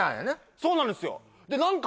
そうなんですよで何か